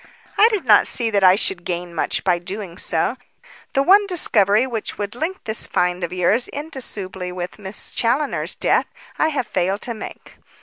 "I do not see that I should gain much by doing so. The one discovery which would link this find of yours indissolubly with Miss Challoner's death, I have failed to make.